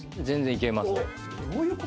全然いけます。